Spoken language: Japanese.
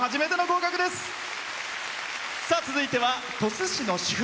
続いては鳥栖市の主婦。